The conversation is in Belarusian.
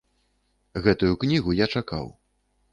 Гэтую кнігу я чакаў.